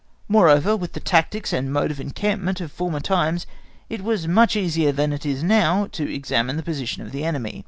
Moreover, with the tactics and mode of encampment of former times it was much easier than it is now to examine the position of the enemy.